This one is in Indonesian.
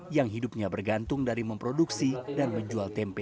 yang hidupnya bergantung dari memproduksi dan menjual tempe